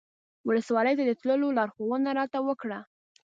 ولسوالۍ ته د تللو لارښوونه راته وکړه.